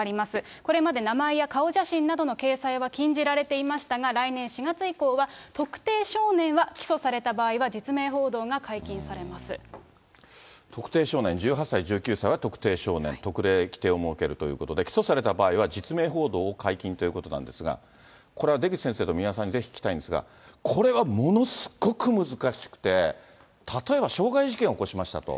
これまで名前や顔写真などの掲載は禁じられていましたが、来年４月以降は、特定少年は起訴された場合は、特定少年、１８歳、１９歳は特定少年、特例規定を設けるということで、起訴された場合は実名報道を解禁ということなんですが、これは出口先生と三輪さんにぜひ聞きたいんですが、これはものすごく難しくて、例えば傷害事件を起こしましたと。